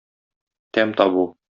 Тәм табу.